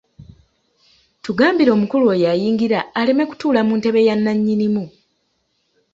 Tugambire omukulu oyo ayingira aleme kutuula mu ntebe ya nnannyinimu.